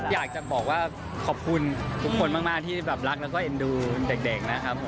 อยากจะบอกว่าขอบคุณทุกคนมากที่แบบรักแล้วก็เอ็นดูเด็กนะครับ